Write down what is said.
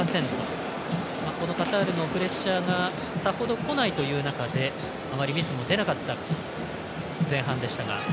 カタールのプレッシャーがさほどこないという中であまりミスも出なかった前半でしたが。